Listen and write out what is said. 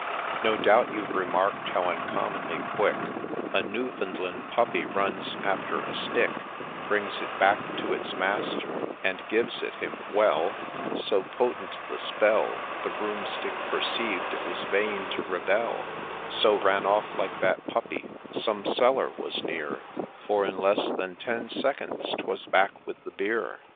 ' No doubt you've remark'd how uncommonly quick A Newfoundland puppy runs after a stick, Brings it back to his master, and gives it him — Well, So potent the spell, The Broomstick perceived it was vain to rebel, So ran off like that puppy ;— some cellar was near, For in less than ten seconds 'twas back with the beer